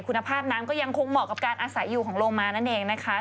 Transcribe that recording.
คุณภาพน้ำก็ยังคงเหมาะกับการอาศัยอยู่ของโลมานั่นเองนะคะ